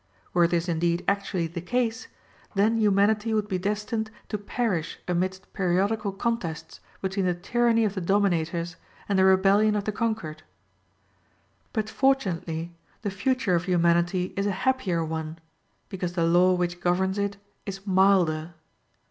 Were this indeed actually the case, then humanity would be destined to perish amidst periodical contests between the tyranny of the dominators and the rebellion of the conquered. But fortunately the future of humanity is a happier one, because the law which governs it is milder.